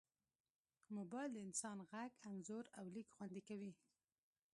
موبایل د انسان غږ، انځور، او لیک خوندي کوي.